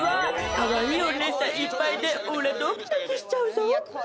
「カワイイお姉さんいっぱいでオラドキドキしちゃうぞ」